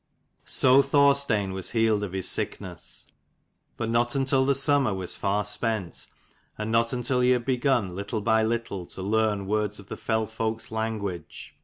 O Thorstein was healed of his sickness; but not until the summer was far spent, and not until he had begun, little by little, to learn words of the fell folk's language.